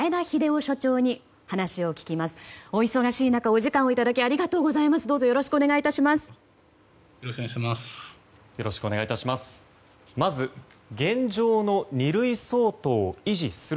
お忙しい中お時間をいただきありがとうございます。